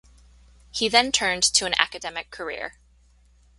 He then turned to an academic career.